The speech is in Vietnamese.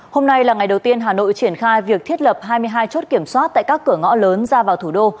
hôm nay là ngày đầu tiên hà nội triển khai việc thiết lập hai mươi hai chốt kiểm soát tại các cửa ngõ lớn ra vào thủ đô